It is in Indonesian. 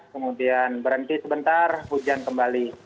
kemudian berhenti sebentar hujan kembali